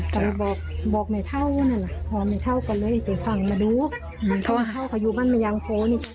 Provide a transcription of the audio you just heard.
ตัวเลยบอบไม่เท่านะละอ่อไม่เท่าก็เล่นสั่งไปดูเท่าเขาอยู่บ้านมยังโคลนิ